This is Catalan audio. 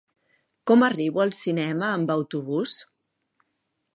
Com arribo al cinema amb autobús?